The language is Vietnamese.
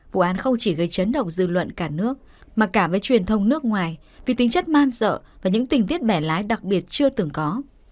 vụ án không chỉ gây chấn động dư luận cả nước mà cả với truyền thông nước ngoài vì tính chất man sợ và những tình tiết bẻ lái đặc biệt chưa từng có